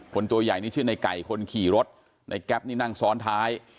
ตัวใหญ่นี่ชื่อในไก่คนขี่รถในแก๊ปนี่นั่งซ้อนท้าย